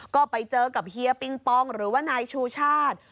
ก็ไปเจอกับเฮียปิงปองหรือว่านายชูชาติ